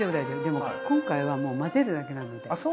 でも今回は混ぜるだけなので。